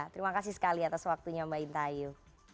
terima kasih sekali atas waktunya mbak intah ayu